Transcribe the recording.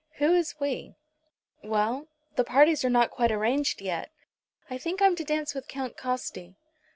"Who is we?" "Well; the parties are not quite arranged yet. I think I'm to dance with Count Costi.